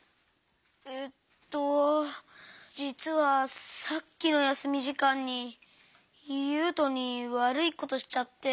えっとじつはさっきのやすみじかんにゆうとにわるいことしちゃって。